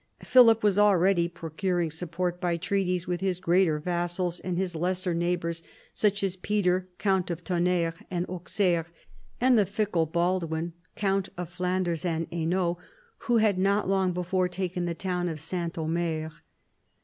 Philip was already procur ing support by treaties with his greater vassals and his lesser neighbours, such as Peter, count of Tonnerre and Auxerre, and the fickle Baldwin, count of Flanders and Hainault, who had not long before taken the town of S. Omer.